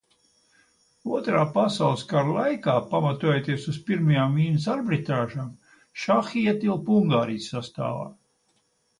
Otrā pasaules kara laikā, pamatojoties uz Pirmajām Vīnes arbitrāžām, Šahi ietilpa Ungārijas sastāvā.